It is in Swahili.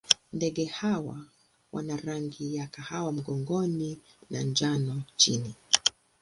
Ndege hawa wana rangi ya kahawa mgongoni na njano chini.